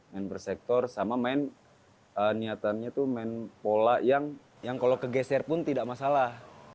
main bersektor sama main niatannya tuh main pola yang kalau kegeser pun tidak masalah